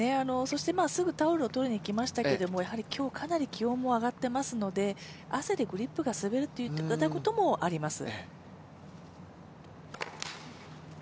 すぐタオルを取りに行っていましたけれどもやはり今日、かなり気温も上がっていますので汗でグリップが滑るということもあります。